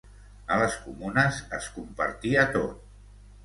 A les comunes es compartia tot.